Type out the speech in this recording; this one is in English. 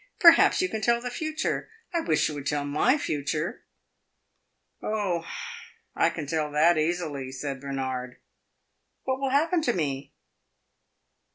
Perhaps you can tell the future. I wish you would tell my future!" "Oh, I can tell that easily," said Bernard. "What will happen to me?"